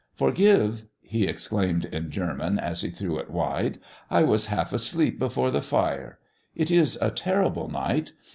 "Forgive!" he exclaimed in German, as he threw it wide, "I was half asleep before the fire. It is a terrible night.